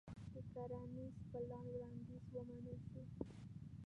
د کرنيز پلان وړانديز ومنل شو.